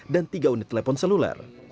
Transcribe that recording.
dan tiga unit telepon seluler